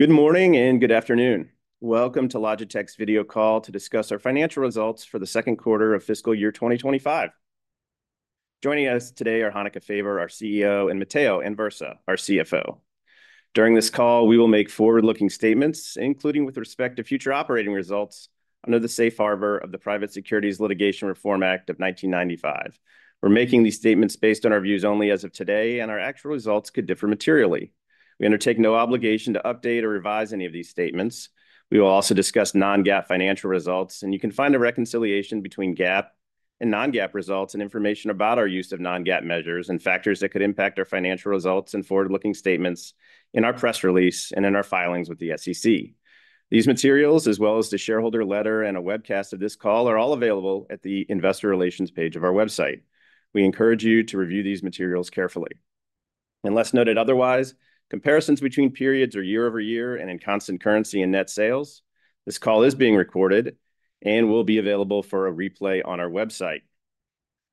Good morning and good afternoon. Welcome to Logitech's video call to discuss our financial results for the second quarter of fiscal year 2025. Joining us today are Hanneke Faber, our CEO, and Matteo Anversa, our CFO. During this call, we will make forward-looking statements, including with respect to future operating results, under the safe harbor of the Private Securities Litigation Reform Act of 1995. We're making these statements based on our views only as of today, and our actual results could differ materially. We undertake no obligation to update or revise any of these statements. We will also discuss non-GAAP financial results, and you can find a reconciliation between GAAP and non-GAAP results and information about our use of non-GAAP measures and factors that could impact our financial results and forward-looking statements in our press release and in our filings with the SEC. These materials, as well as the shareholder letter and a webcast of this call, are all available at the Investor Relations page of our website. We encourage you to review these materials carefully. Unless noted otherwise, comparisons between periods are year over year and in constant currency and net sales. This call is being recorded and will be available for a replay on our website.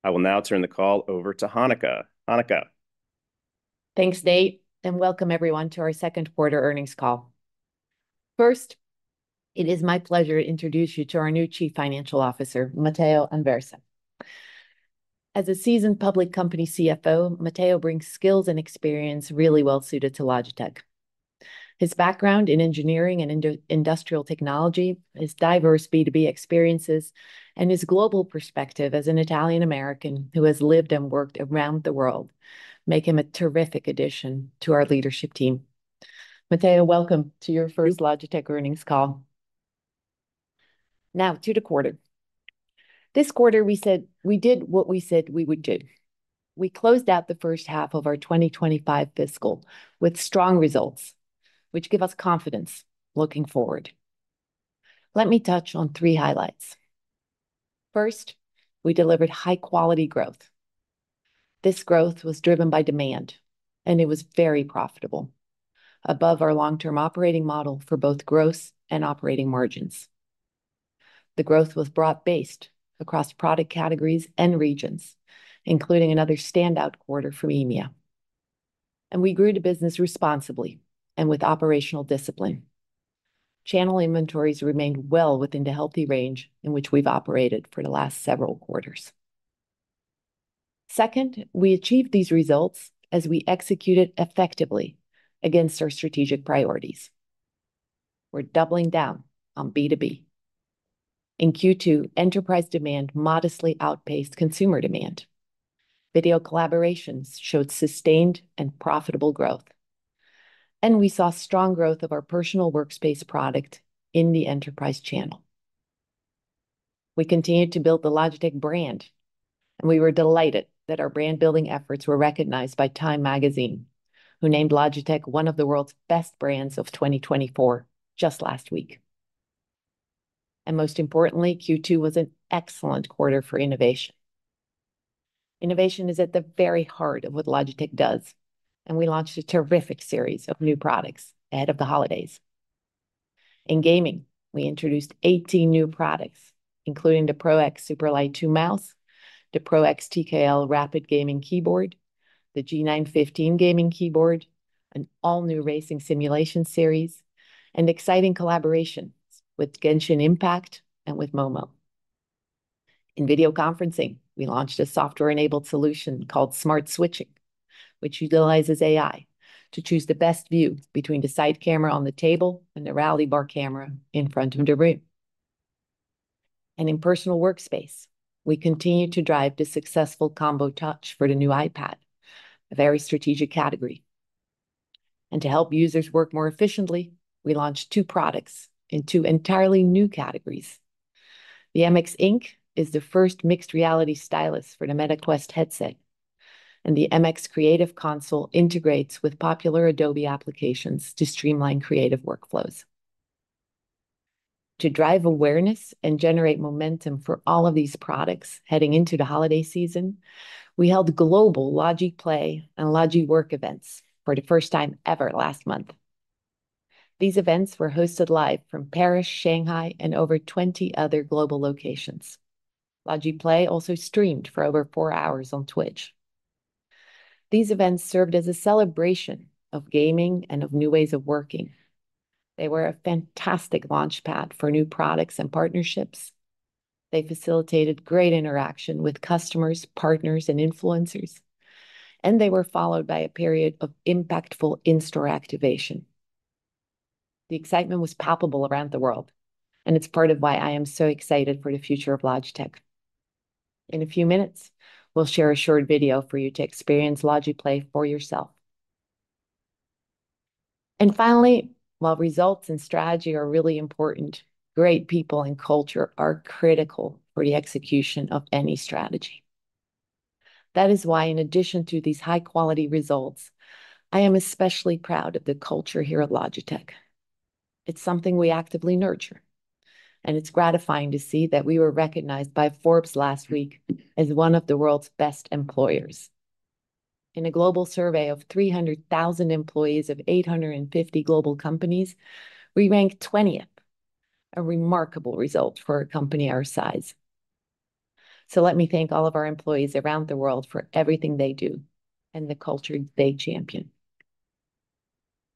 I will now turn the call over to Hanneke. Hanneke? Thanks, Nate, and welcome everyone to our second quarter earnings call. First, it is my pleasure to introduce you to our new Chief Financial Officer, Matteo Anversa. As a seasoned public company CFO, Matteo brings skills and experience really well-suited to Logitech. His background in engineering and industrial technology, his diverse B2B experiences, and his global perspective as an Italian American who has lived and worked around the world make him a terrific addition to our leadership team. Matteo, welcome to your first- Thank you Logitech Earnings Call. Now, to the quarter. This quarter, we said we did what we said we would do. We closed out the first half of our 2025 fiscal with strong results, which give us confidence looking forward. Let me touch on three highlights. First, we delivered high-quality growth. This growth was driven by demand, and it was very profitable, above our long-term operating model for both growth and operating margins. The growth was broad-based across product categories and regions, including another standout quarter from EMEA, and we grew the business responsibly and with operational discipline. Channel inventories remained well within the healthy range in which we've operated for the last several quarters. Second, we achieved these results as we executed effectively against our strategic priorities. We're doubling down on B2B. In Q2, enterprise demand modestly outpaced consumer demand. Video Collaboration showed sustained and profitable growth, and we saw strong growth of our personal workspace product in the enterprise channel. We continued to build the Logitech brand, and we were delighted that our brand-building efforts were recognized by Time Magazine, who named Logitech one of the world's best brands of 2024, just last week. And most importantly, Q2 was an excellent quarter for innovation. Innovation is at the very heart of what Logitech does, and we launched a terrific series of new products ahead of the holidays. In gaming, we introduced 18 new products, including the PRO X Superlight 2 mouse, the PRO X TKL Rapid gaming keyboard, the G915 gaming keyboard, an all-new racing simulation series, and exciting collaborations with Genshin Impact and with MOMO. In video conferencing, we launched a software-enabled solution called Smart Switching, which utilizes AI to choose the best view between the side camera on the table and the Rally Bar camera in front of the room. In personal workspace, we continued to drive the successful Combo Touch for the new iPad, a very strategic category. To help users work more efficiently, we launched two products in two entirely new categories. The MX Ink is the first mixed-reality stylus for the Meta Quest headset, and the MX Creative Console integrates with popular Adobe applications to streamline creative workflows. To drive awareness and generate momentum for all of these products heading into the holiday season, we held global Logi PLAY and Logi Work events for the first time ever last month. These events were hosted live from Paris, Shanghai, and over 20 other global locations. Logi PLAY also streamed for over four hours on Twitch. These events served as a celebration of gaming and of new ways of working. They were a fantastic launchpad for new products and partnerships. They facilitated great interaction with customers, partners, and influencers, and they were followed by a period of impactful in-store activation. The excitement was palpable around the world, and it's part of why I am so excited for the future of Logitech. In a few minutes, we'll share a short video for you to experience Logi PLAY for yourself. And finally, while results and strategy are really important, great people and culture are critical for the execution of any strategy. That is why, in addition to these high-quality results, I am especially proud of the culture here at Logitech. It's something we actively nurture, and it's gratifying to see that we were recognized by Forbes last week as one of the world's best employers. In a global survey of 300,000 employees of 850 global companies, we ranked 20th, a remarkable result for a company our size. So let me thank all of our employees around the world for everything they do and the culture they champion.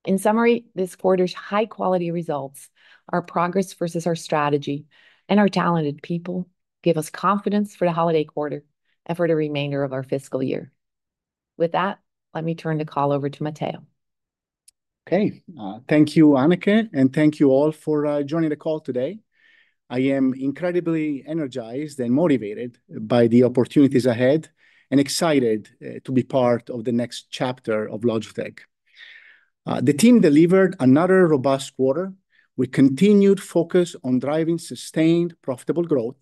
In summary, this quarter's high-quality results, our progress versus our strategy, and our talented people give us confidence for the holiday quarter and for the remainder of our fiscal year. With that, let me turn the call over to Matteo. Okay, thank you, Hanneke, and thank you all for joining the call today. I am incredibly energized and motivated by the opportunities ahead, and excited to be part of the next chapter of Logitech. The team delivered another robust quarter. We continued focus on driving sustained profitable growth.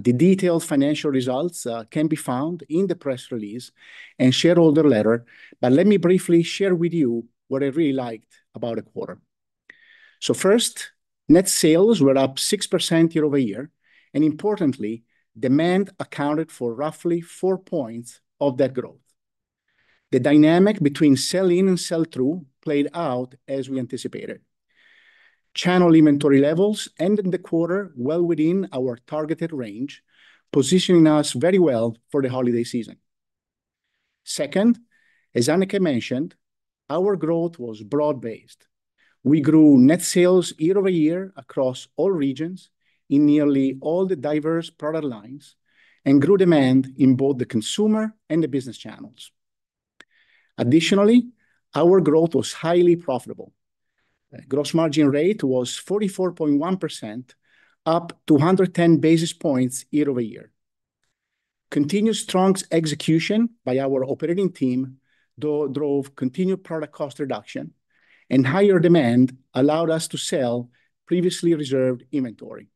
The detailed financial results can be found in the press release and shareholder letter, but let me briefly share with you what I really liked about the quarter. First, net sales were up 6% year-over-year, and importantly, demand accounted for roughly four points of that growth. The dynamic between sell-in and sell-through played out as we anticipated. Channel inventory levels ended the quarter well within our targeted range, positioning us very well for the holiday season. Second, as Hanneke mentioned, our growth was broad-based. We grew net sales year-over-year across all regions in nearly all the diverse product lines, and grew demand in both the consumer and the business channels. Additionally, our growth was highly profitable. Gross margin rate was 44.1%, up 210 basis points year-over-year. Continued strong execution by our operating team drove continued product cost reduction, and higher demand allowed us to sell previously reserved inventory.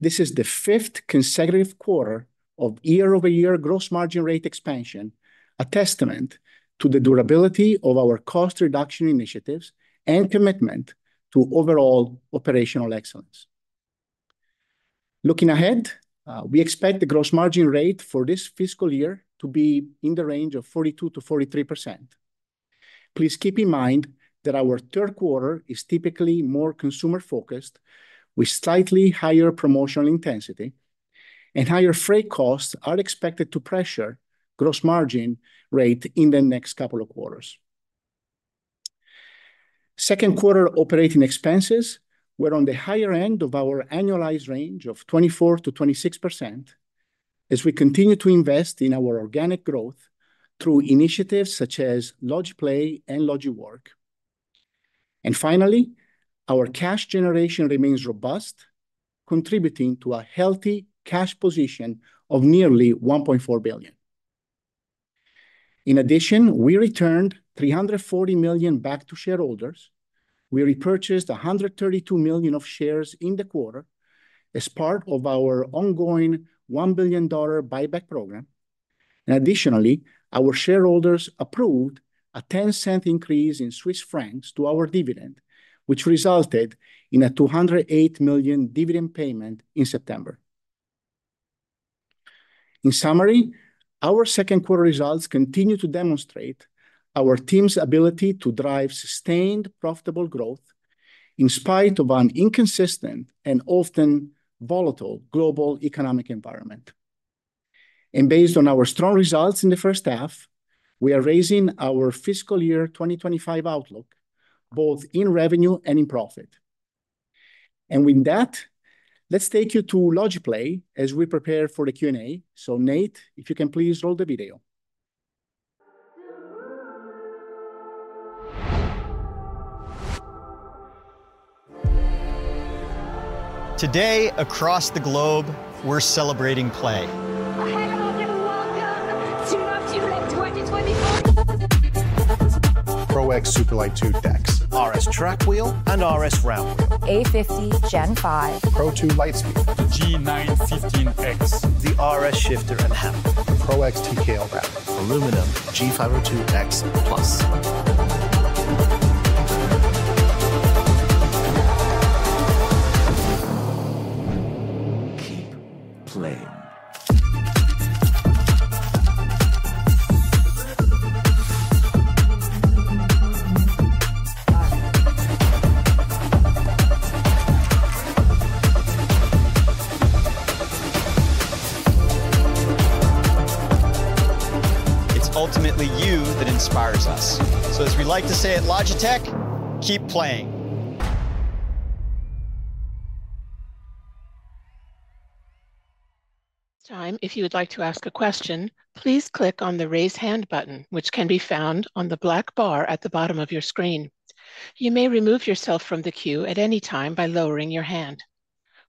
This is the fifth consecutive quarter of year-over-year gross margin rate expansion, a testament to the durability of our cost reduction initiatives and commitment to overall operational excellence. Looking ahead, we expect the gross margin rate for this fiscal year to be in the range of 42%-43%. Please keep in mind that our third quarter is typically more consumer-focused, with slightly higher promotional intensity, and higher freight costs are expected to pressure gross margin rate in the next couple of quarters. Second quarter operating expenses were on the higher end of our annualized range of 24%-26%, as we continue to invest in our organic growth through initiatives such as Logi PLAY and Logi WORK. And finally, our cash generation remains robust, contributing to a healthy cash position of nearly $1.4 billion. In addition, we returned $340 million back to shareholders. We repurchased $132 million of shares in the quarter as part of our ongoing $1 billion buyback program. And additionally, our shareholders approved a 0.10 increase in Swiss francs to our dividend, which resulted in a $208 million dividend payment in September. In summary, our second quarter results continue to demonstrate our team's ability to drive sustained, profitable growth in spite of an inconsistent and often volatile global economic environment, and based on our strong results in the first half, we are raising our Fiscal Year 2025 outlook, both in revenue and in profit, and with that, let's take you to Logi PLAY as we prepare for the Q&A, so Nate, if you can please roll the video. Today, across the globe, we're celebrating play. Hello, and welcome to Logitech 2024. PRO X Superlight 2 DEX. RS Track Wheel and RS Round Wheel. A50 Gen 5. PRO 2 LIGHTSPEED. G915 X. The RS Shifter and Handbrake. The PRO X TKL Mac. G502 X PLUS. Keep playing. It's ultimately you that inspires us. So as we like to say at Logitech, "Keep playing!... time, if you would like to ask a question, please click on the Raise Hand button, which can be found on the black bar at the bottom of your screen. You may remove yourself from the queue at any time by lowering your hand.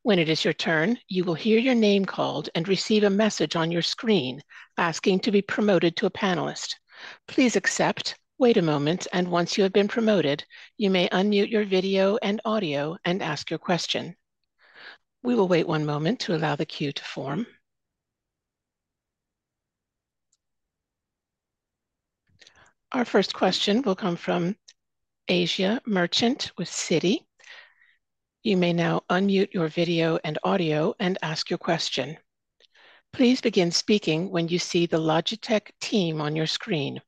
When it is your turn, you will hear your name called and receive a message on your screen asking to be promoted to a panelist. Please accept, wait a moment, and once you have been promoted, you may unmute your video and audio and ask your question. We will wait one moment to allow the queue to form. Our first question will come from Asiya Merchant with Citi. You may now unmute your video and audio and ask your question. Please begin speaking when you see the Logitech team on your screen.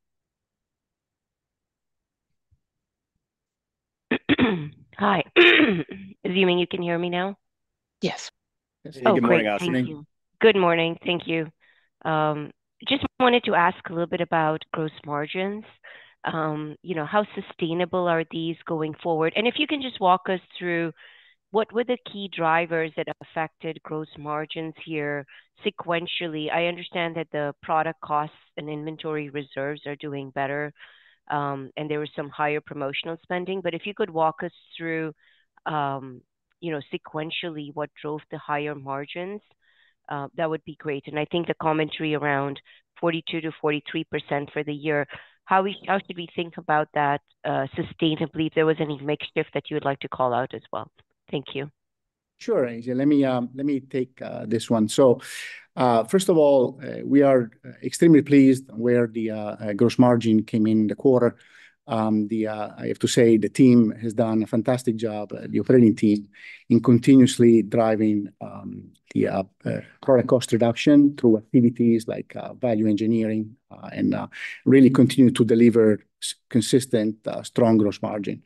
Hi. Do you mean you can hear me now? Yes. Oh, great. Thank you. Good morning, Asiya. Good morning. Thank you. Just wanted to ask a little bit about gross margins. You know, how sustainable are these going forward? And if you can just walk us through what were the key drivers that affected gross margins here sequentially? I understand that the product costs and inventory reserves are doing better, and there was some higher promotional spending. But if you could walk us through, you know, sequentially what drove the higher margins, that would be great. And I think the commentary around 42%-43% for the year, how we- how should we think about that, sustainably, if there was any mix shift that you would like to call out as well? Thank you. Sure, Asiya. Let me take this one. So, first of all, we are extremely pleased where the gross margin came in the quarter. I have to say, the team has done a fantastic job, the operating team, in continuously driving the product cost reduction through activities like value engineering, and really continue to deliver consistent strong gross margin.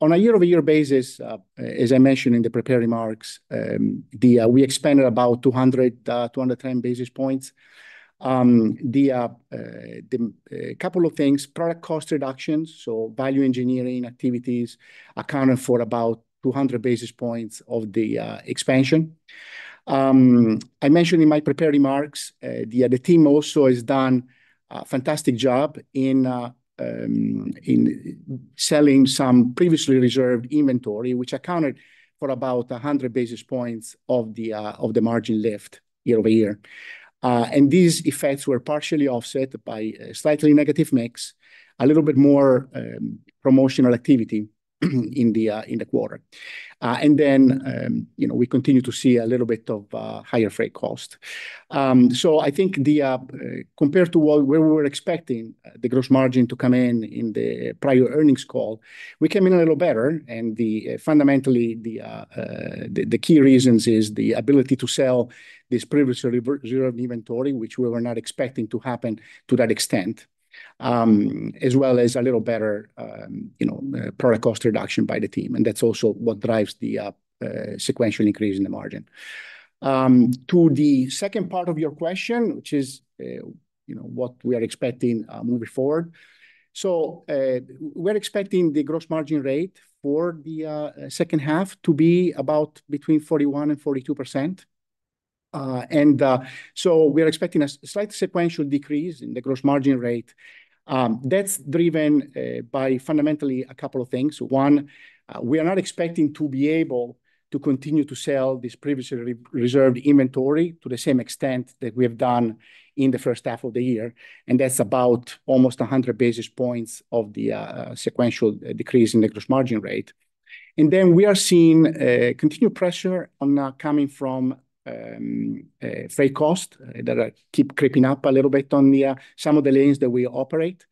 On a year-over-year basis, as I mentioned in the prepared remarks, we expanded about two hundred ten basis points. The couple of things, product cost reductions, so value engineering activities accounted for about two hundred basis points of the expansion. I mentioned in my prepared remarks, the team also has done a fantastic job in selling some previously reserved inventory, which accounted for about a hundred basis points of the margin lift year-over-year. And these effects were partially offset by a slightly negative mix, a little bit more promotional activity in the quarter. And then, you know, we continue to see a little bit of higher freight cost. So I think compared to where we were expecting the gross margin to come in in the prior earnings call, we came in a little better. Fundamentally, the key reasons is the ability to sell this previously reserved inventory, which we were not expecting to happen to that extent, as well as a little better, you know, product cost reduction by the team, and that's also what drives the sequential increase in the margin. To the second part of your question, which is, you know, what we are expecting moving forward. We're expecting the gross margin rate for the second half to be about between 41% and 42%. And so we're expecting a slight sequential decrease in the gross margin rate. That's driven by fundamentally a couple of things. One, we are not expecting to be able to continue to sell this previously reserved inventory to the same extent that we have done in the first half of the year, and that's about almost 100 basis points of the sequential decrease in the gross margin rate. And then we are seeing continued pressure coming from freight cost that keep creeping up a little bit on some of the lanes that we operate.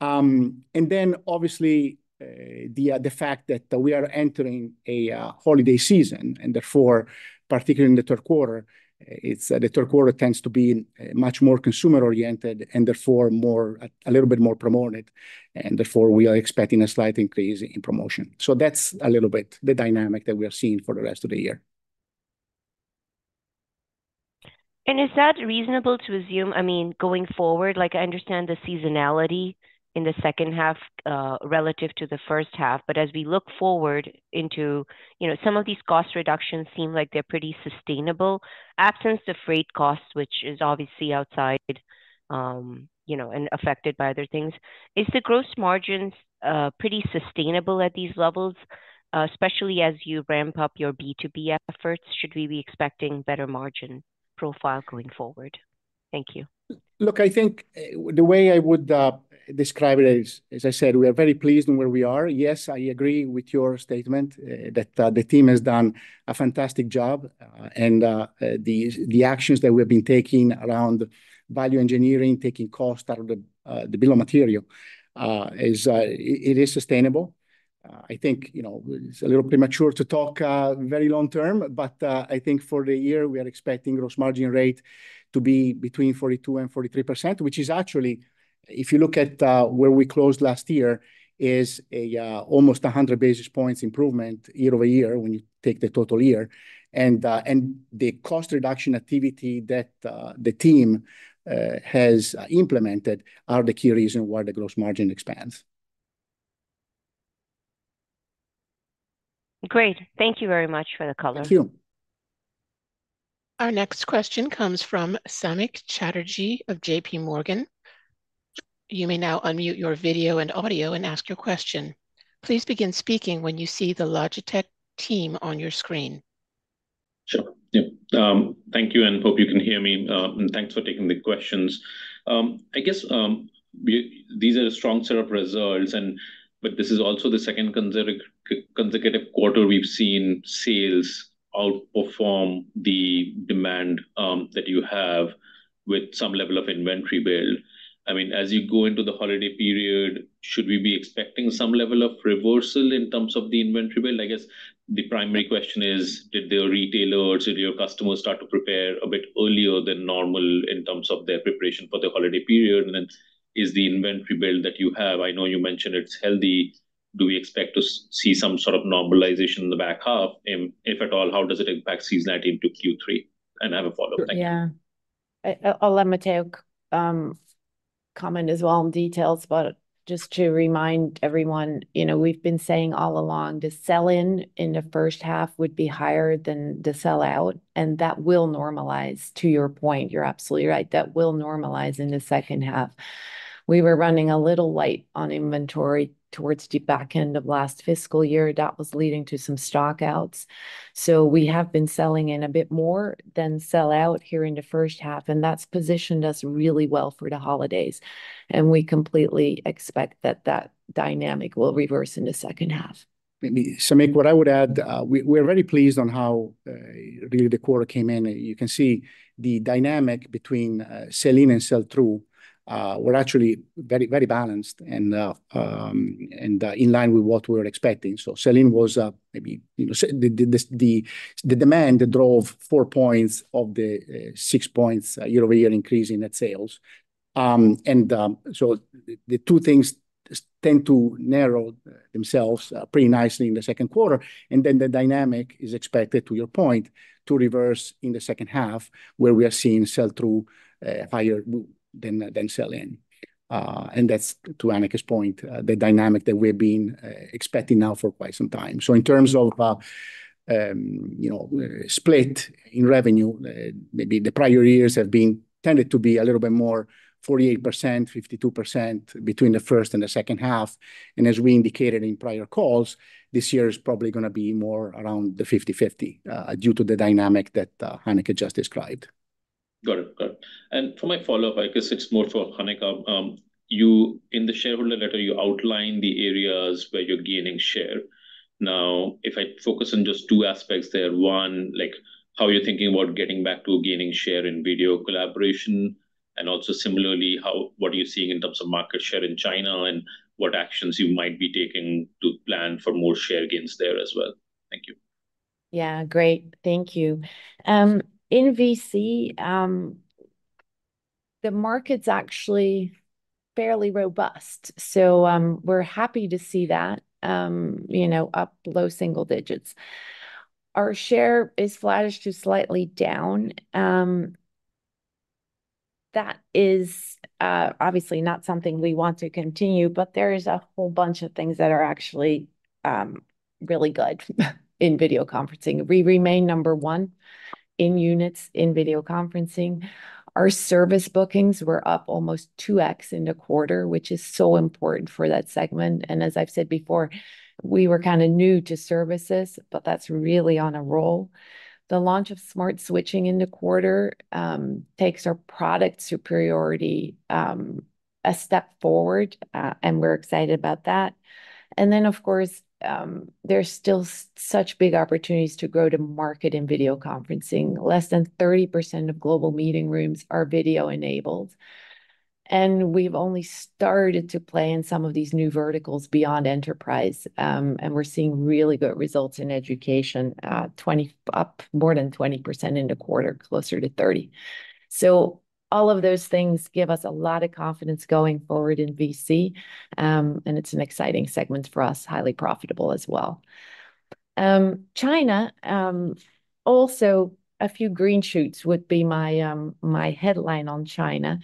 And then obviously the fact that we are entering a holiday season, and therefore, particularly in the third quarter, it's the third quarter tends to be much more consumer-oriented and therefore more, a little bit more promoted, and therefore we are expecting a slight increase in promotion. So that's a little bit the dynamic that we are seeing for the rest of the year. Is that reasonable to assume, I mean, going forward? Like, I understand the seasonality in the second half, relative to the first half, but as we look forward into, you know, some of these cost reductions seem like they're pretty sustainable, absence the freight cost, which is obviously outside, you know, and affected by other things. Is the gross margins pretty sustainable at these levels, especially as you ramp up your B2B efforts, should we be expecting better margin profile going forward? Thank you. Look, I think the way I would describe it is, as I said, we are very pleased with where we are. Yes, I agree with your statement that the team has done a fantastic job, and the actions that we've been taking around value engineering, taking cost out of the bill of material, is sustainable. I think, you know, it's a little premature to talk very long term, but I think for the year, we are expecting gross margin rate to be between 42% and 43%, which is actually, if you look at where we closed last year, is almost 100 basis points improvement year over year when you take the total year. The cost reduction activity that the team has implemented are the key reason why the gross margin expands. Great. Thank you very much for the color. Thank you. Our next question comes from Samik Chatterjee of J.P. Morgan. You may now unmute your video and audio and ask your question. Please begin speaking when you see the Logitech team on your screen. Sure, yeah. Thank you, and hope you can hear me, and thanks for taking the questions. I guess, these are a strong set of results but this is also the second consecutive quarter we've seen sales outperform the demand that you have with some level of inventory build. I mean, as you go into the holiday period, should we be expecting some level of reversal in terms of the inventory build? I guess the primary question is, did the retailers, did your customers start to prepare a bit earlier than normal in terms of their preparation for the holiday period? And then, is the inventory build that you have, I know you mentioned it's healthy... do we expect to see some sort of normalization in the back half? And if at all, how does it impact seasonality into Q3? I have a follow-up. Yeah. I'll let Matteo comment as well on details, but just to remind everyone, you know, we've been saying all along, the sell-in in the first half would be higher than the sell-out, and that will normalize. To your point, you're absolutely right, that will normalize in the second half. We were running a little light on inventory towards the back end of last fiscal year. That was leading to some stock-outs. So we have been selling in a bit more than sell-out here in the first half, and that's positioned us really well for the holidays, and we completely expect that that dynamic will reverse in the second half. Maybe. Samik, what I would add, we, we're very pleased on how really the quarter came in. You can see the dynamic between sell-in and sell-through were actually very, very balanced and in line with what we were expecting. So sell-in was, maybe, you know, the demand that drove four points of the six points year-over-year increase in net sales. And so the two things tend to narrow themselves pretty nicely in the second quarter, and then the dynamic is expected, to your point, to reverse in the second half, where we are seeing sell-through higher than sell-in. And that's, to Hanneke's point, the dynamic that we've been expecting now for quite some time. In terms of, you know, split in revenue, maybe the prior years have tended to be a little bit more 48%, 52% between the first and the second half. As we indicated in prior calls, this year is probably gonna be more around the 50/50, due to the dynamic that Hanneke just described. Got it. Got it. And for my follow-up, I guess it's more for Hanneke. You, in the shareholder letter, you outline the areas where you're gaining share. Now, if I focus on just two aspects there, one, like, how you're thinking about getting back to gaining share in video collaboration, and also similarly, what are you seeing in terms of market share in China, and what actions you might be taking to plan for more share gains there as well? Thank you. Yeah, great. Thank you. In VC, the market's actually fairly robust, so, we're happy to see that, you know, up low single digits. Our share is flattish to slightly down. That is, obviously not something we want to continue, but there is a whole bunch of things that are actually really good in video conferencing. We remain number one in units in video conferencing. Our service bookings were up almost two X in the quarter, which is so important for that segment, and as I've said before, we were kind of new to services, but that's really on a roll. The launch of Smart Switching in the quarter takes our product superiority a step forward, and we're excited about that, and then, of course, there's still such big opportunities to go to market in video conferencing. Less than 30% of global meeting rooms are video-enabled, and we've only started to play in some of these new verticals beyond enterprise, and we're seeing really good results in education, up more than 20% in the quarter, closer to 30%, so all of those things give us a lot of confidence going forward in VC, and it's an exciting segment for us, highly profitable as well. China also a few green shoots would be my headline on China.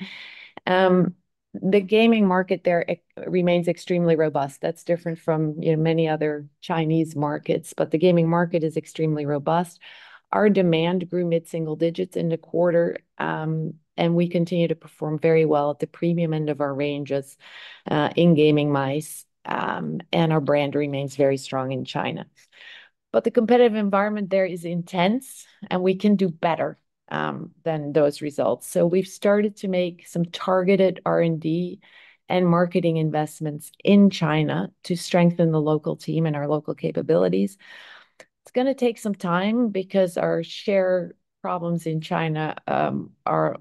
The gaming market there remains extremely robust. That's different from, you know, many other Chinese markets, but the gaming market is extremely robust. Our demand grew mid-single digits in the quarter, and we continue to perform very well at the premium end of our ranges in gaming mice, and our brand remains very strong in China. But the competitive environment there is intense, and we can do better than those results. So we've started to make some targeted R&D and marketing investments in China to strengthen the local team and our local capabilities. It's gonna take some time, because our share problems in China are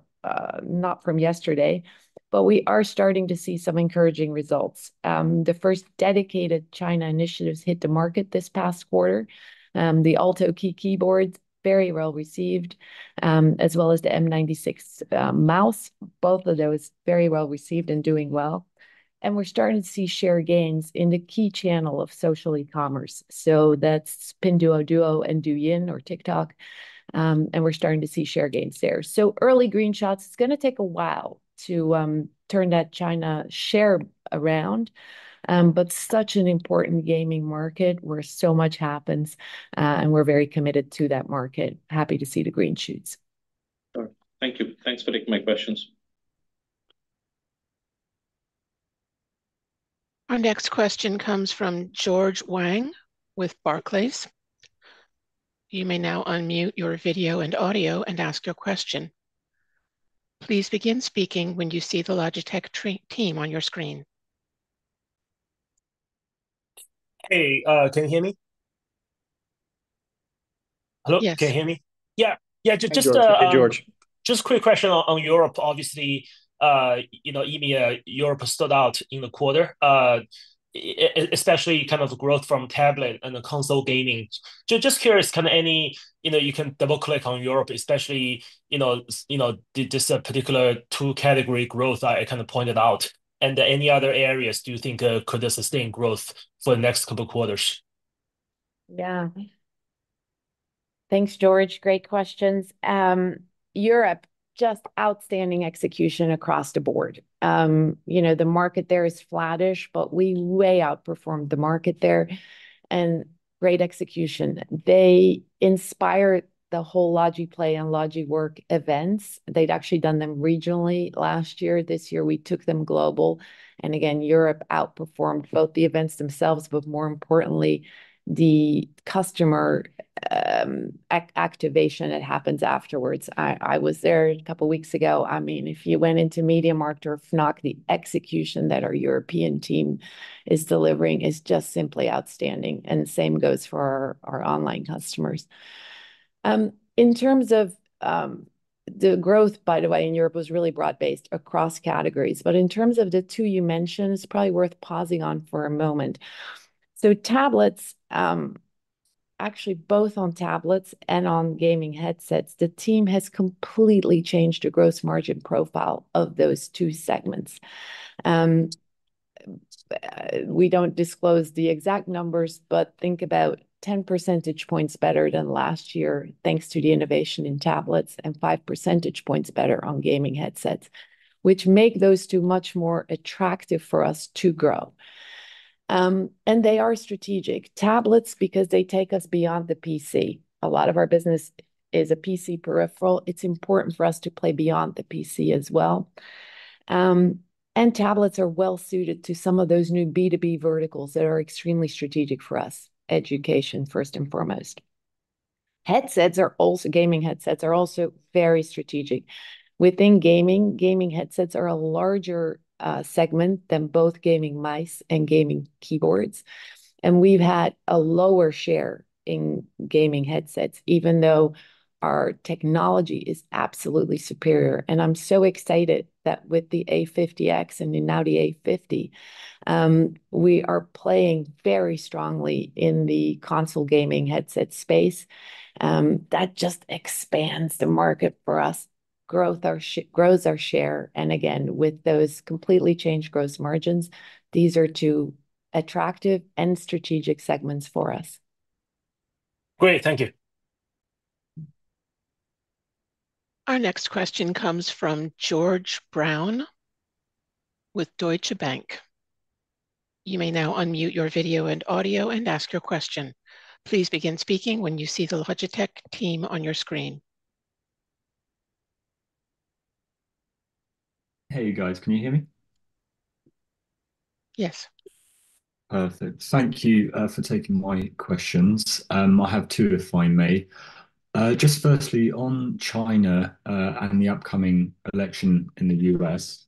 not from yesterday, but we are starting to see some encouraging results. The first dedicated China initiatives hit the market this past quarter. The MX Keys keyboard, very well-received, as well as the M196 mouse. Both of those, very well-received and doing well. And we're starting to see share gains in the key channel of social e-commerce, so that's Pinduoduo and Douyin or TikTok, and we're starting to see share gains there. Early green shoots. It's gonna take a while to turn that China share around, but such an important gaming market, where so much happens, and we're very committed to that market. Happy to see the green shoots. All right. Thank you. Thanks for taking my questions. Our next question comes from George Wang with Barclays. You may now unmute your video and audio and ask your question. Please begin speaking when you see the Logitech IR team on your screen. Hey, can you hear me? Hello- Yes. Can you hear me? Yeah. Yeah, just, just, Hey, George. Hey, George. Just a quick question on Europe. Obviously, you know, EMEA, Europe stood out in the quarter, especially kind of growth from tablet and the console gaming. So just curious, kind of any... You know, you can double-click on Europe, especially, you know, did this particular two-category growth I kind of pointed out, and any other areas do you think could sustain growth for the next couple quarters? Yeah. Thanks, George. Great questions. Europe, just outstanding execution across the board. You know, the market there is flattish, but we way outperformed the market there, and great execution. They inspired the whole Logi PLAY and Logi WORK events. They'd actually done them regionally last year. This year, we took them global, and again, Europe outperformed both the events themselves, but more importantly, the customer activation that happens afterwards. I was there a couple weeks ago. I mean, if you went into MediaMarkt or Fnac, the execution that our European team is delivering is just simply outstanding, and the same goes for our online customers. In terms of the growth, by the way, in Europe was really broad-based across categories. But in terms of the two you mentioned, it's probably worth pausing on for a moment. Tablets, actually, both on tablets and on gaming headsets, the team has completely changed the gross margin profile of those two segments. We don't disclose the exact numbers, but think about 10 percentage points better than last year, thanks to the innovation in tablets, and five percentage points better on gaming headsets, which make those two much more attractive for us to grow. They are strategic. Tablets, because they take us beyond the PC. A lot of our business is a PC peripheral. It's important for us to play beyond the PC as well. Tablets are well-suited to some of those new B2B verticals that are extremely strategic for us, education first and foremost. Headsets are also. Gaming headsets are also very strategic. Within gaming, gaming headsets are a larger segment than both gaming mice and gaming keyboards, and we've had a lower share in gaming headsets, even though our technology is absolutely superior. And I'm so excited that with the A50X and now the A50, we are playing very strongly in the console gaming headset space. That just expands the market for us, grows our share. And again, with those completely changed gross margins, these are two attractive and strategic segments for us. Great. Thank you. Our next question comes from George Brown with Deutsche Bank. You may now unmute your video and audio and ask your question. Please begin speaking when you see the Logitech team on your screen. Hey, you guys. Can you hear me? Yes. Perfect. Thank you for taking my questions. I have two, if I may. Just firstly, on China and the upcoming election in the US,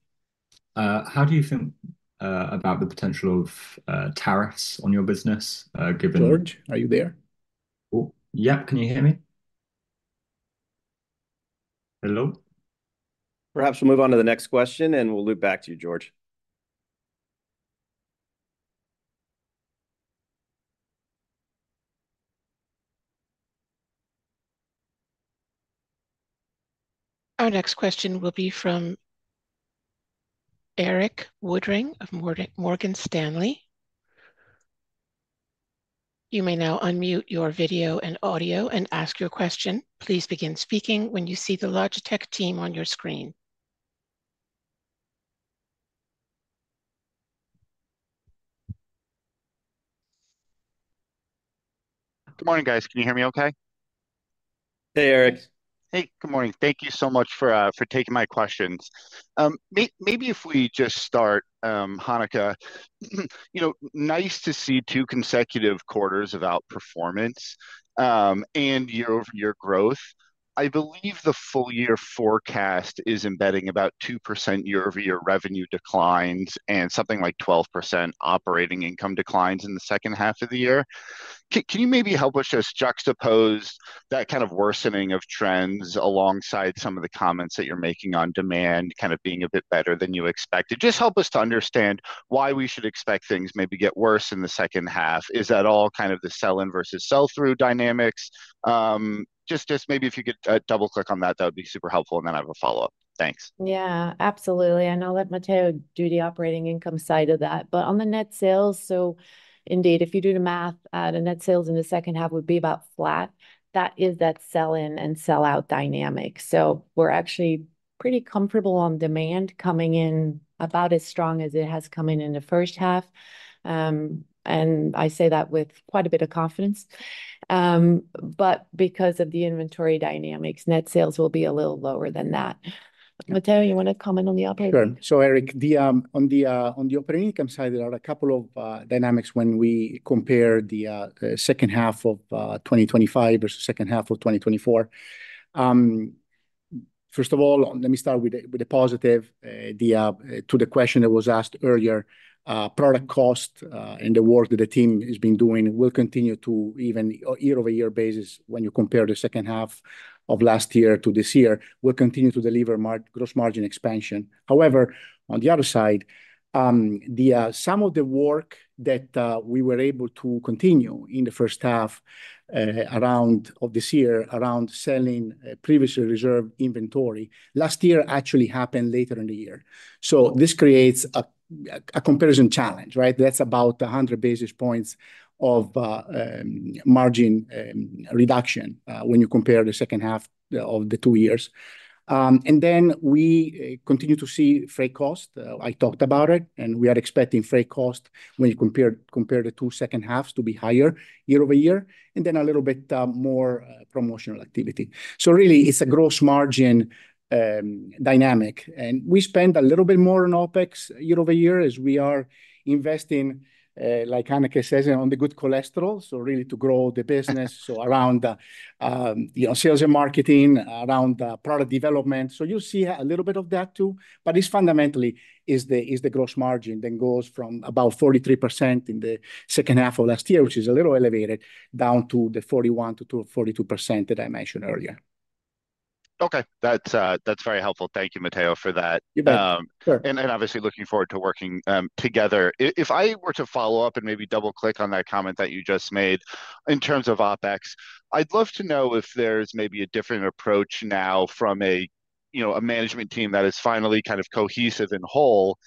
how do you think about the potential of tariffs on your business, given- George, are you there? Oh, yeah. Can you hear me? Hello? Perhaps we'll move on to the next question, and we'll loop back to you, George. Our next question will be from Erik Woodring of Morgan Stanley. You may now unmute your video and audio and ask your question. Please begin speaking when you see the Logitech team on your screen. Good morning, guys. Can you hear me okay? Hey, Eric. Hey, good morning. Thank you so much for taking my questions. Maybe if we just start, Hanneke, you know, nice to see two consecutive quarters of outperformance, and year-over-year growth. I believe the full-year forecast is embedding about 2% year-over-year revenue declines and something like 12% operating income declines in the second half of the year. Can you maybe help us just juxtapose that kind of worsening of trends alongside some of the comments that you're making on demand kind of being a bit better than you expected? Just help us to understand why we should expect things maybe get worse in the second half. Is that all kind of the sell-in versus sell-through dynamics? Just maybe if you could double-click on that, that would be super helpful, and then I have a follow-up. Thanks. Yeah, absolutely. I know that Matteo do the operating income side of that, but on the net sales, so indeed, if you do the math, the net sales in the second half would be about flat. That is that sell-in and sell-out dynamic. So we're actually pretty comfortable on demand coming in about as strong as it has come in in the first half, and I say that with quite a bit of confidence, but because of the inventory dynamics, net sales will be a little lower than that. Matteo, you want to comment on the operating? Sure. So, Erik, on the operating income side, there are a couple of dynamics when we compare the second half of 2025 versus second half of 2024. First of all, let me start with the positive. To the question that was asked earlier, product cost and the work that the team has been doing will continue to even a year-over-year basis when you compare the second half of last year to this year, will continue to deliver gross margin expansion. However, on the other side, some of the work that we were able to continue in the first half of this year around selling previously reserved inventory, last year actually happened later in the year. So this creates a comparison challenge, right? That's about 100 basis points of margin reduction when you compare the second half of the two years, and then we continue to see freight cost. I talked about it, and we are expecting freight cost when you compare the two second halves to be higher year over year, and then a little bit more promotional activity. So really, it's a gross margin dynamic, and we spent a little bit more on OpEx year over year as we are investing, like Hanneke says, on the good cholesterol, so really to grow the business-... so around, you know, sales and marketing, around product development. So you see a little bit of that, too, but it's fundamentally the gross margin, then goes from about 43% in the second half of last year, which is a little elevated, down to the 41%-42% that I mentioned earlier. Okay. That's, that's very helpful. Thank you, Matteo, for that. You bet. Sure. Obviously looking forward to working together. If I were to follow up and maybe double-click on that comment that you just made in terms of OpEx, I'd love to know if there's maybe a different approach now from a, you know, a management team that is finally kind of cohesive and whole,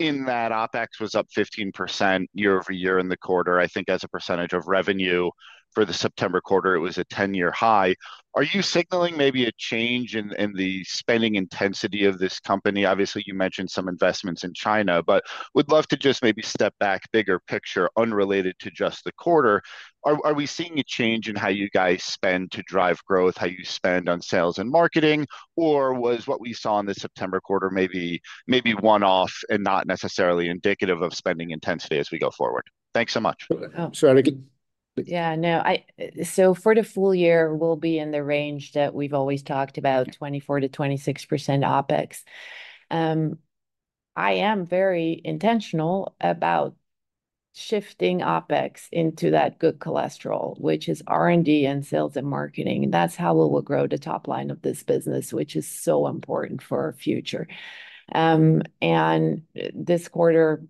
in that OpEx was up 15% year over year in the quarter. I think as a percentage of revenue for the September quarter, it was a 10-year high. Are you signaling maybe a change in the spending intensity of this company? Obviously, you mentioned some investments in China, but would love to just maybe step back, bigger picture, unrelated to just the quarter. Are we seeing a change in how you guys spend to drive growth, how you spend on sales and marketing, or was what we saw in the September quarter maybe one-off and not necessarily indicative of spending intensity as we go forward? Thanks so much. Sure. So I could- Yeah, no, so for the full year, we'll be in the range that we've always talked about, 24%-26% OpEx. I am very intentional about shifting OpEx into that good cholesterol, which is R&D and sales and marketing, and that's how we will grow the top line of this business, which is so important for our future, and this quarter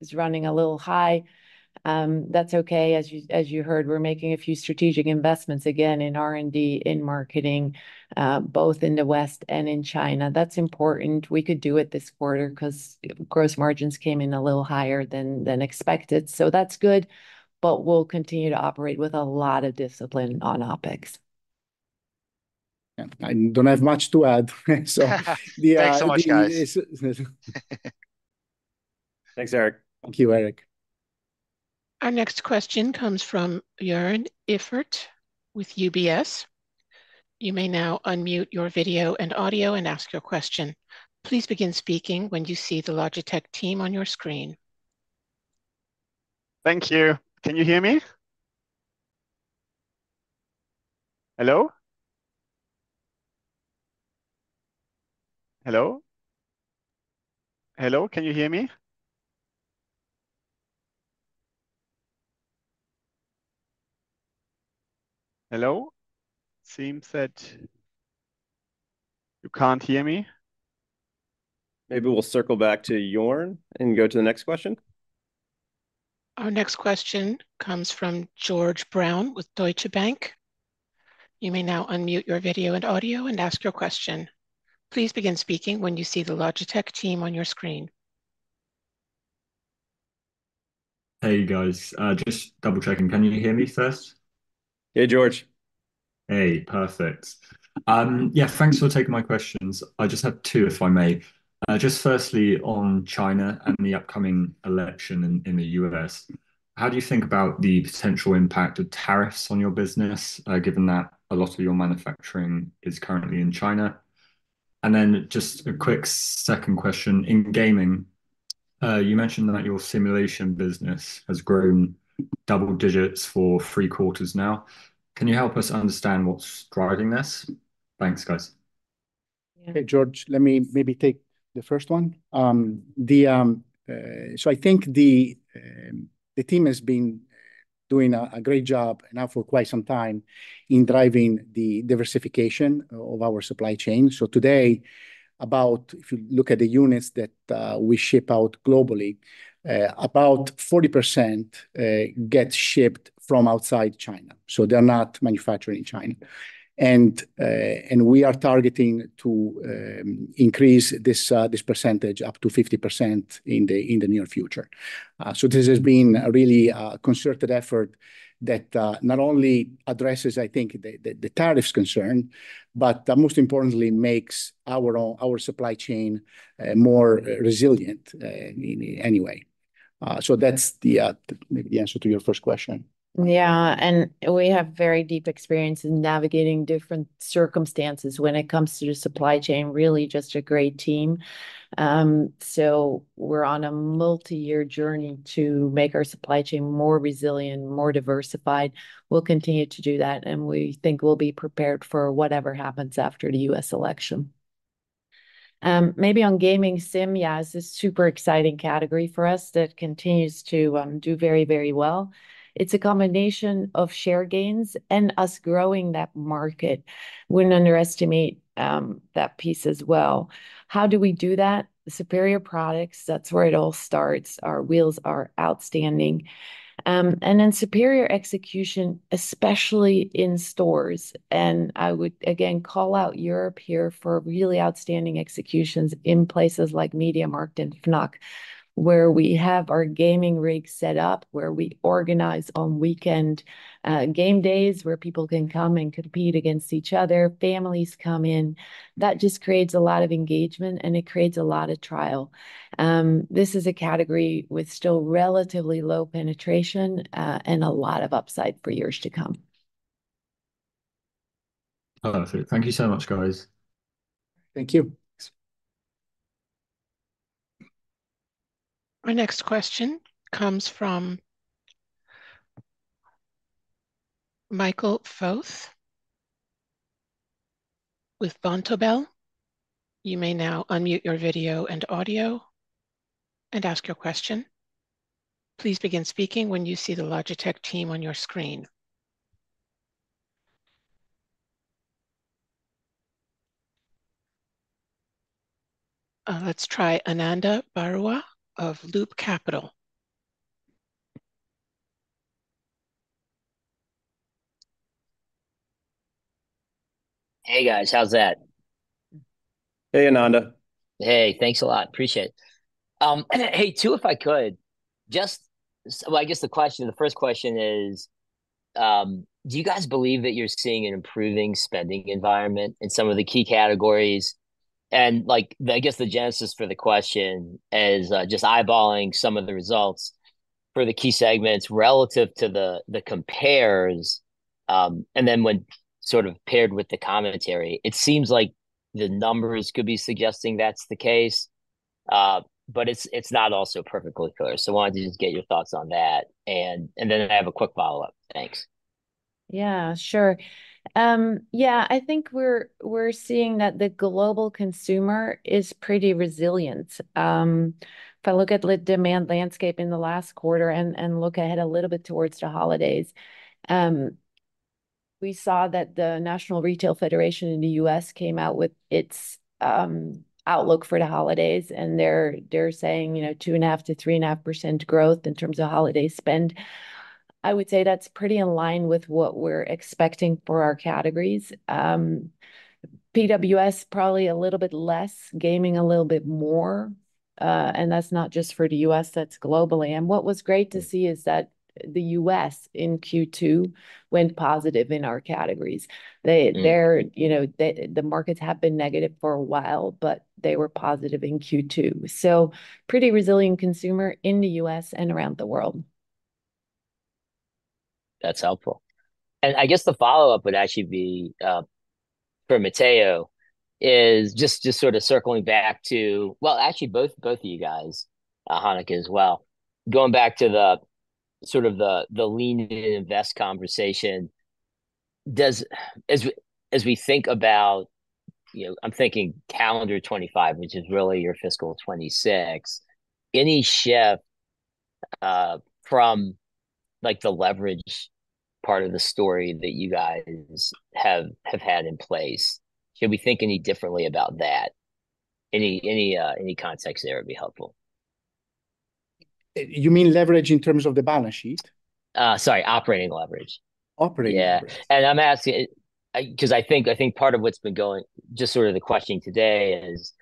is running a little high. That's okay. As you heard, we're making a few strategic investments, again in R&D, in marketing, both in the West and in China. That's important. We could do it this quarter, 'cause gross margins came in a little higher than expected, so that's good, but we'll continue to operate with a lot of discipline on OpEx. Yeah, I don't have much to add. So the, Thanks so much, guys. Thanks, Erik. Thank you, Erik. Our next question comes from Jörn Iffert with UBS. You may now unmute your video and audio and ask your question. Please begin speaking when you see the Logitech team on your screen. Thank you. Can you hear me? Hello? Hello? Hello, can you hear me? Hello? Seems that you can't hear me. Maybe we'll circle back to Jörn and go to the next question. Our next question comes from George Brown with Deutsche Bank. You may now unmute your video and audio and ask your question. Please begin speaking when you see the Logitech team on your screen. Hey, guys. Just double-checking. Can you hear me first? Hey, George. Hey, perfect. Yeah, thanks for taking my questions. I just have two, if I may. Just firstly, on China and the upcoming election in the US, how do you think about the potential impact of tariffs on your business, given that a lot of your manufacturing is currently in China? And then just a quick second question. In gaming, you mentioned that your simulation business has grown double digits for three quarters now. Can you help us understand what's driving this? Thanks, guys. Yeah. Hey, George, let me maybe take the first one. So I think the team has been doing a great job, and now for quite some time, in driving the diversification of our supply chain. So today, about, if you look at the units that we ship out globally, about 40% get shipped from outside China, so they're not manufactured in China. And we are targeting to increase this percentage up to 50% in the near future. So this has been a really concerted effort that not only addresses, I think, the tariffs concern, but most importantly, makes our own supply chain more resilient anyway. So that's maybe the answer to your first question. Yeah, and we have very deep experience in navigating different circumstances when it comes to the supply chain. Really, just a great team. So we're on a multi-year journey to make our supply chain more resilient, more diversified. We'll continue to do that, and we think we'll be prepared for whatever happens after the U.S. election. Maybe on gaming sim, yeah, it's a super exciting category for us that continues to do very, very well. It's a combination of share gains and us growing that market. Wouldn't underestimate that piece as well. How do we do that? Superior products, that's where it all starts. Our wheels are outstanding. And then superior execution, especially in stores, and I would, again, call out Europe here for really outstanding executions in places like MediaMarkt and Fnac, where we have our gaming rig set up, where we organize on weekend, game days, where people can come and compete against each other. Families come in. That just creates a lot of engagement, and it creates a lot of trial. This is a category with still relatively low penetration, and a lot of upside for years to come. Perfect. Thank you so much, guys. Thank you. Our next question comes from Michael Foeth with Vontobel. You may now unmute your video and audio and ask your question. Please begin speaking when you see the Logitech team on your screen. Let's try Ananda Baruah of Loop Capital. Hey, guys. How's that? Hey, Ananda. Hey, thanks a lot. Appreciate it. Hey, two if I could. Just, so well, I guess the question, the first question is, do you guys believe that you're seeing an improving spending environment in some of the key categories? And, like, I guess, the genesis for the question is, just eyeballing some of the results for the key segments relative to the, the compares. And then when sort of paired with the commentary, it seems like the numbers could be suggesting that's the case. But it's, it's not also perfectly clear. So I wanted to just get your thoughts on that, and, and then I have a quick follow-up. Thanks. Yeah, sure. Yeah, I think we're seeing that the global consumer is pretty resilient. If I look at the demand landscape in the last quarter and look ahead a little bit towards the holidays, we saw that the National Retail Federation in the U.S. came out with its outlook for the holidays, and they're saying, you know, 2.5%-3.5% growth in terms of holiday spend. I would say that's pretty in line with what we're expecting for our categories. PWS, probably a little bit less, gaming a little bit more, and that's not just for the U.S., that's globally. And what was great to see is that the U.S., in Q2, went positive in our categories. Mm. They're, you know, the markets have been negative for a while, but they were positive in Q2, so pretty resilient consumer in the U.S. and around the world. That's helpful. I guess the follow-up would actually be for Matteo, just sort of circling back to... Well, actually, both of you guys, Hanneke as well. Going back to the sort of the lean-in invest conversation, does as we think about, you know, I'm thinking calendar 2025, which is really your fiscal 2026, any shift from, like, the leverage part of the story that you guys have had in place, should we think any differently about that? Any context there would be helpful. You mean leverage in terms of the balance sheet? Sorry, operating leverage. Operating leverage. Yeah, and I'm asking because I think part of what's been going, just sort of the questioning today is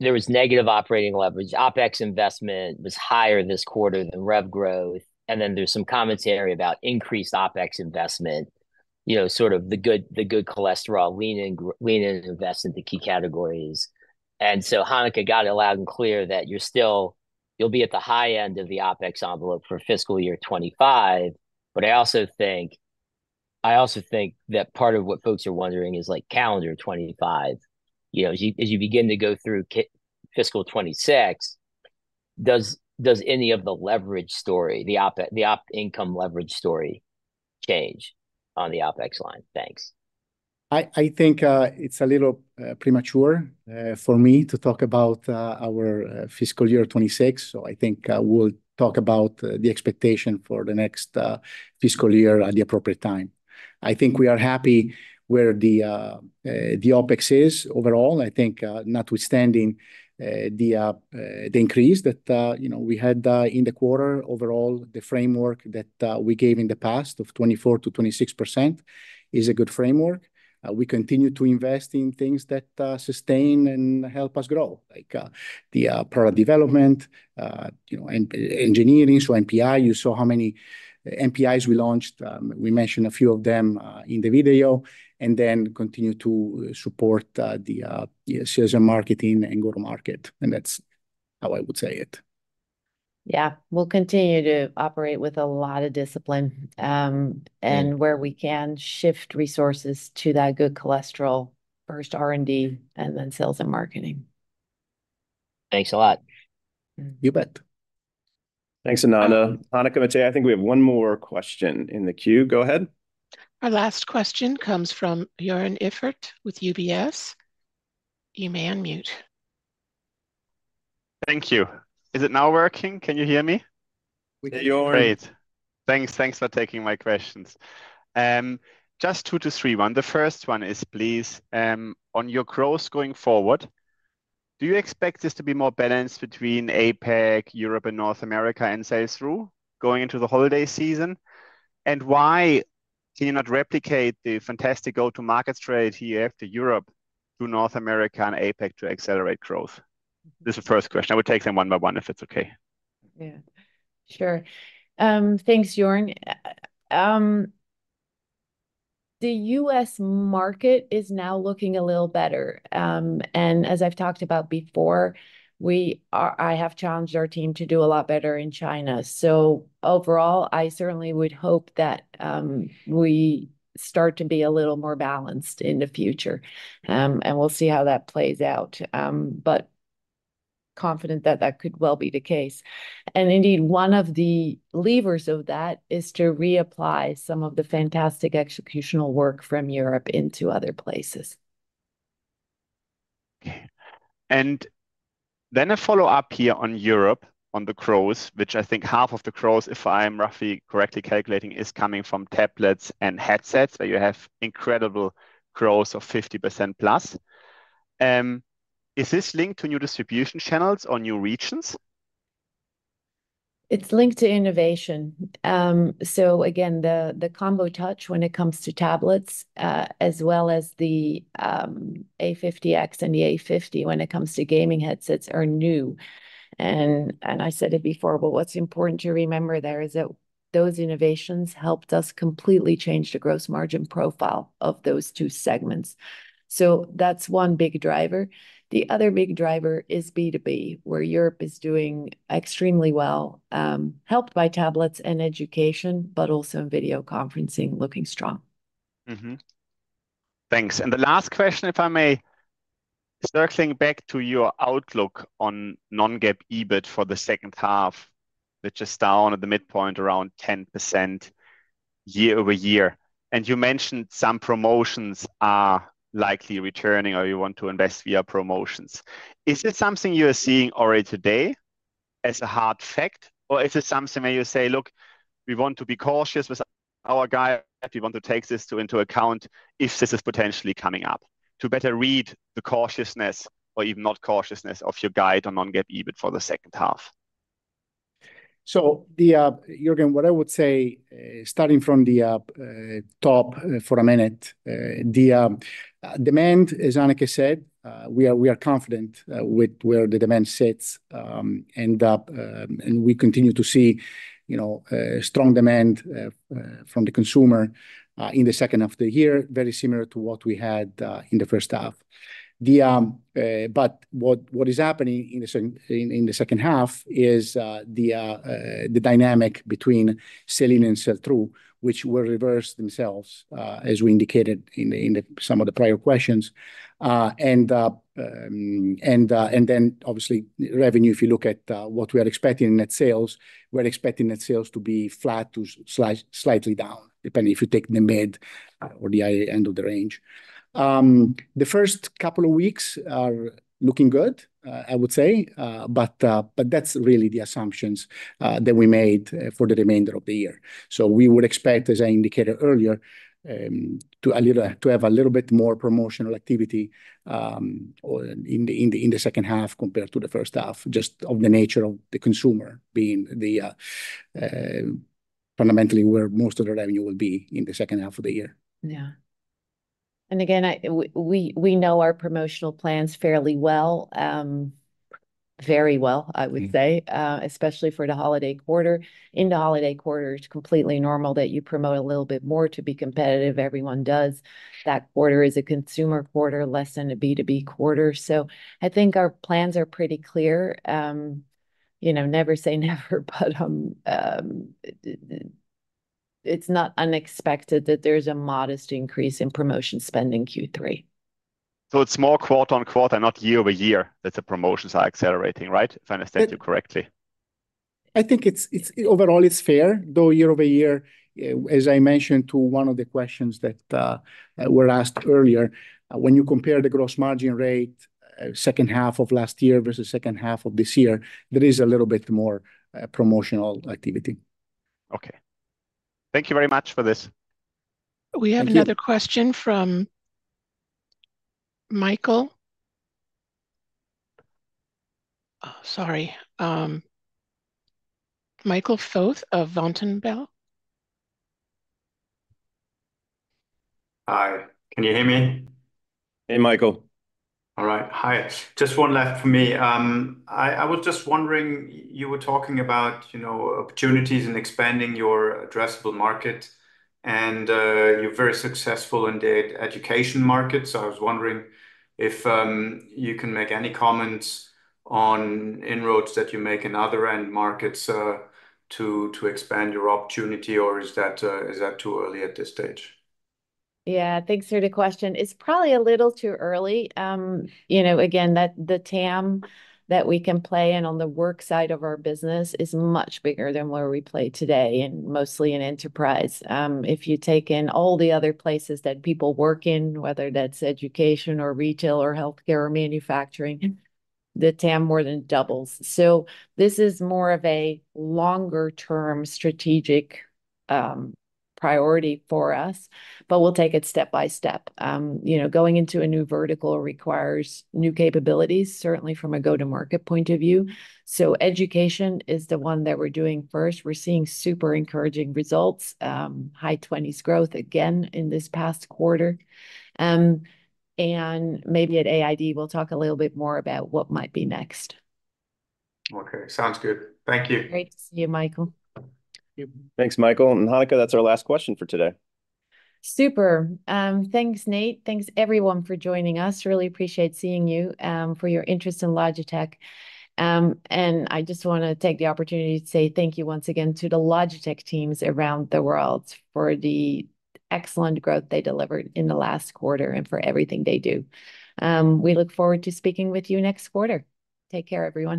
there was negative operating leverage. OpEx investment was higher this quarter than rev growth, and then there's some commentary about increased OpEx investment. You know, sort of the good, the good cholesterol, lean and invest in the key categories. And so, Hanneke, got it loud and clear that you're still- you'll be at the high end of the OpEx envelope for Fiscal Year 2025. But I also think that part of what folks are wondering is, like, calendar 2025. You know, as you begin to go through fiscal 2026, does any of the leverage story, the op income leverage story change on the OpEx line? Thanks. I think it's a little premature for me to talk about our fiscal year 2026, so I think we'll talk about the expectation for the next fiscal year at the appropriate time. I think we are happy where the OpEx is overall. I think, notwithstanding the increase that you know we had in the quarter. Overall, the framework that we gave in the past, of 24%-26%, is a good framework. We continue to invest in things that sustain and help us grow, like the product development, you know, and engineering, so NPI. You saw how many NPIs we launched. We mentioned a few of them in the video, and then continue to support the sales and marketing and go-to-market, and that's how I would say it. Yeah. We'll continue to operate with a lot of discipline, and where we can shift resources to that good cholesterol first R&D and then sales and marketing.... Thanks a lot. You bet. Thanks, Ananda. Hanneke, I think we have one more question in the queue. Go ahead. Our last question comes from Jörn Iffert with UBS. You may unmute. Thank you. Is it now working? Can you hear me? We can, Jörn. Great. Thanks, thanks for taking my questions. Just two to three. One, the first one is, please, on your growth going forward, do you expect this to be more balanced between APAC, Europe, and North America, and sales through going into the holiday season? And why can you not replicate the fantastic go-to-market strategy after Europe to North America and APAC to accelerate growth? This is the first question. I will take them one by one, if it's okay. Yeah, sure. Thanks, Jörn. The U.S. market is now looking a little better. And as I've talked about before, I have challenged our team to do a lot better in China. So overall, I certainly would hope that we start to be a little more balanced in the future. And we'll see how that plays out, but confident that that could well be the case. And indeed, one of the levers of that is to reapply some of the fantastic executional work from Europe into other places. Okay. And then a follow-up here on Europe, on the growth, which I think half of the growth, if I'm roughly correctly calculating, is coming from tablets and headsets, so you have incredible growth of 50% plus. Is this linked to new distribution channels or new regions? It's linked to innovation. So again, the Combo Touch, when it comes to tablets, as well as the A50X and the A50, when it comes to gaming headsets, are new. And I said it before, but what's important to remember there is that those innovations helped us completely change the gross margin profile of those two segments. So that's one big driver. The other big driver is B2B, where Europe is doing extremely well, helped by tablets and education, but also in video conferencing, looking strong. Thanks. And the last question, if I may, circling back to your outlook on non-GAAP EBIT for the second half, which is down at the midpoint around 10% year over year. And you mentioned some promotions are likely returning or you want to invest via promotions. Is this something you are seeing already today as a hard fact, or is it something where you say, "Look, we want to be cautious with our guide, and we want to take this into account if this is potentially coming up?" To better read the cautiousness or even not cautiousness of your guide on non-GAAP EBIT for the second half. So, Jörn, what I would say, starting from the top, for a minute, the demand, as Hanneke said, we are confident with where the demand sits. And we continue to see, you know, strong demand from the consumer in the second half of the year, very similar to what we had in the first half. But what is happening in the second half is the dynamic between sell-in and sell-through, which will reverse themselves as we indicated in some of the prior questions. And then obviously revenue, if you look at what we are expecting in net sales, we're expecting net sales to be flat to slightly down, depending if you take the mid or the high end of the range. The first couple of weeks are looking good, I would say, but that's really the assumptions that we made for the remainder of the year, so we would expect, as I indicated earlier, to have a little bit more promotional activity in the second half compared to the first half, just of the nature of the consumer being fundamentally where most of the revenue will be in the second half of the year. Yeah. And again, we know our promotional plans fairly well, very well, I would say- Mm... especially for the holiday quarter. In the holiday quarter, it's completely normal that you promote a little bit more to be competitive. Everyone does. That quarter is a consumer quarter, less than a B2B quarter. So I think our plans are pretty clear. You know, never say never, but it's not unexpected that there's a modest increase in promotion spending Q3. So it's more quote-unquote and not year-over-year that the promotions are accelerating, right? If I understand you correctly. I think it's overall fair, though year over year, as I mentioned to one of the questions that were asked earlier, when you compare the gross margin rate, second half of last year versus second half of this year, there is a little bit more promotional activity. Okay. Thank you very much for this. We have another question from Michael. Oh, sorry, Michael Foeth of Vontobel. Hi, can you hear me? Hey, Michael. All right. Hi, just one left for me. I was just wondering, you were talking about, you know, opportunities in expanding your addressable market, and you're very successful in the education market. So I was wondering if you can make any comments on inroads that you make in other end markets to expand your opportunity, or is that too early at this stage? Yeah. Thanks for the question. It's probably a little too early. You know, again, that the TAM that we can play in on the work side of our business is much bigger than where we play today, and mostly in enterprise. If you take in all the other places that people work in, whether that's education, or retail, or healthcare, or manufacturing, the TAM more than doubles. So this is more of a longer-term strategic priority for us, but we'll take it step by step. You know, going into a new vertical requires new capabilities, certainly from a go-to-market point of view. So education is the one that we're doing first. We're seeing super encouraging results, high twenties growth again in this past quarter. And maybe at Logi WORK, we'll talk a little bit more about what might be next. Okay, sounds good. Thank you. Great to see you, Michael. Thanks, Michael. And Hanneke, that's our last question for today. Super. Thanks, Nate. Thanks, everyone, for joining us. Really appreciate seeing you for your interest in Logitech. And I just wanna take the opportunity to say thank you once again to the Logitech teams around the world for the excellent growth they delivered in the last quarter and for everything they do. We look forward to speaking with you next quarter. Take care, everyone.